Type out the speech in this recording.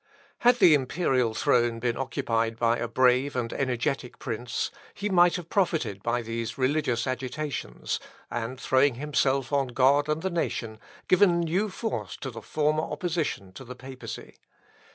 Had the imperial throne been occupied by a brave and energetic prince, he might have profited by these religious agitations, and, throwing himself on God and the nation, given new force to the former opposition to the papacy.